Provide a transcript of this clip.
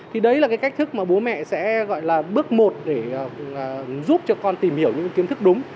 thì đấy là cái cách thức mà bố mẹ sẽ gọi là bước một để giúp cho con tìm hiểu những kiến thức đúng